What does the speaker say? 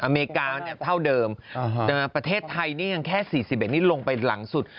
อเมริกาเท่าเดิมประเทศไทยนี่ยังแค่๔๑นี่ลงไปหลังสุด